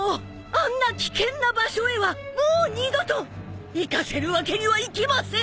あんな危険な場所へはもう二度と行かせるわけにはいきません！